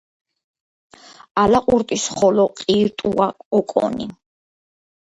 ალაყურტის ხოლო ყირტუა ოკონი